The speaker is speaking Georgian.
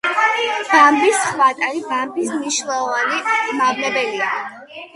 ბამბის ხვატარი ბამბის მნიშვნელოვანი მავნებელია.